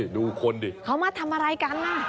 ดูคนดิเขามาทำอะไรกัน